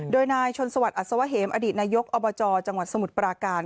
โดยนายชนสวัสดิอัศวะเหมอดีตนายกอบจจังหวัดสมุทรปราการ